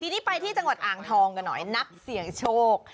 ทีนี้ไปที่จังหวัดอ่างทองกันหน่อยนักเสี่ยงโชค